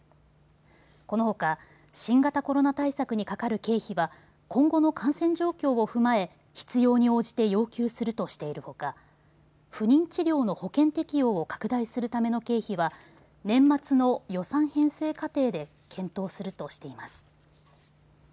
このほか新型コロナ対策にかかる経費は今後の感染状況を踏まえ必要に応じて要求するとしているほか不妊治療の保険適用を拡大するための経費は年末の予算編成過程で検討するとしています。